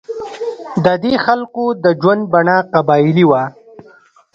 د دې خلکو د ژوند بڼه قبایلي وه.